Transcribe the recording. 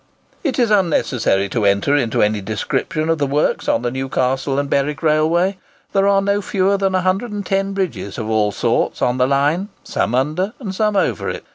It is unnecessary to enter into any description of the works on the Newcastle and Berwick Railway. There are no fewer than 110 bridges of all sorts on the line—some under and some over it.